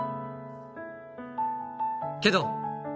けど